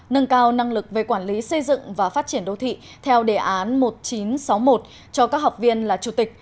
nâng cao năng lực về quản lý xây dựng và phát triển đô thị theo đề án một nghìn chín trăm sáu mươi một cho các học viên là chủ tịch